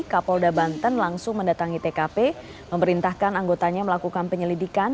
kapolda banten langsung mendatangi tkp memerintahkan anggotanya melakukan penyelidikan